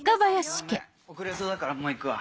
ごめん遅れそうだからもう行くわ。